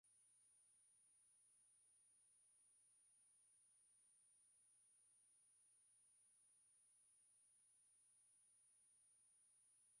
wa Omani ambaye kwa kiasi kikubwa alimiliki na kuitawala biashara ya watumwa na biashara